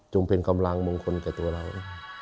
เป็นกำลังมงคลแก่ตัวเรา